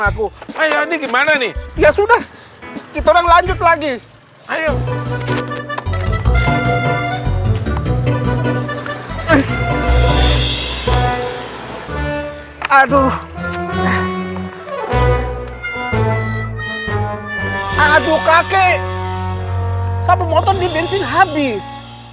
itu ayo ini gimana nih ya sudah kita lanjut lagi ayo aduh aduh kakek kakek motor di bensin habis